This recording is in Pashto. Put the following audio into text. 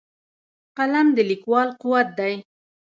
قلم د لیکوال قوت دی